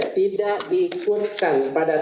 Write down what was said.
tidak diikutkan pada tanda prosedur atau mekanisme